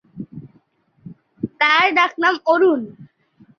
তার ডাকনাম অরুণ।